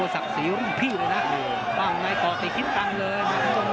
เอาไปยกนี้เลยทางที่ตาดู